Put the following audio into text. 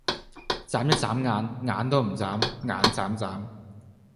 䁪一䁪眼，眼都唔䁪，眼䁪䁪